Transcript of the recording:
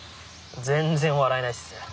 全然笑えないっす。